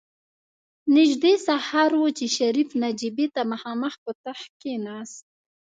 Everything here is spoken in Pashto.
نژدې سهار و چې شريف نجيبې ته مخامخ په تخت کېناست.